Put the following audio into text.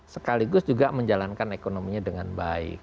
sekaligus juga menjalankan ekonominya dengan baik